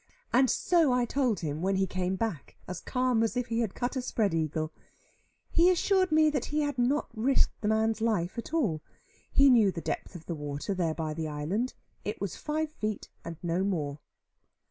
And so I told him when he came back, as calm as if he had cut a spread eagle. He assured me that he had not risked the man's life at all. He knew the depth of the water there by the island. It was five feet and no more.